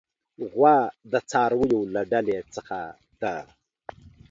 غوا د څارویو له ډلې څخه ده.